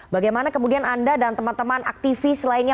bagaimana kemudian anda dan teman teman aktivis lainnya